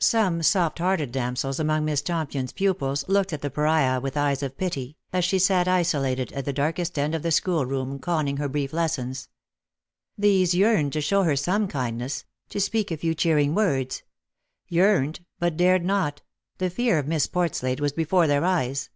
Some soft hearted damsels among Miss Tompion's pupils looked at the Pariah with eyes of pity, as she sat isolated at the darkest end of the schoolroom conning her brief lessons. These yearned to show her some kindness — to speak a few cheering words —• yearned, but dared not : the fear of Miss Portslade was before their eyes.